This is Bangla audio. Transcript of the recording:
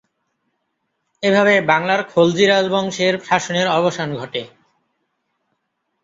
এভাবে বাংলার খলজি রাজবংশের শাসনের অবসান ঘটে।